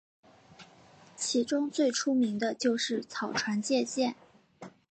其中最出名的就是草船借箭。